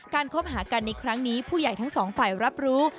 คบหากันในครั้งนี้ผู้ใหญ่ทั้งสองฝ่ายรับรู้